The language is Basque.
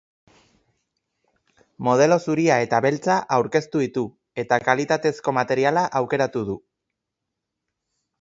Modelo zuria eta beltza aurkeztu ditu eta kalitatezko materiala aukeratu du.